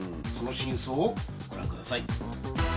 その真相をご覧ください。